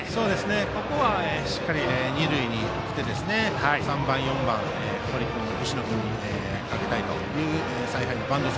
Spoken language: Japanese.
ここはしっかり二塁に送って３番、４番の堀君、石野君にかけたいという采配。